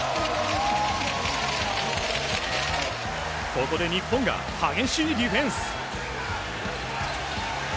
ここで日本が激しいディフェンス。